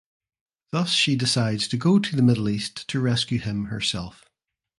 Thus she decides to go to the Middle East to rescue him herself.